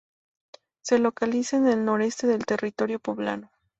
Se localiza en el noreste del territorio poblano.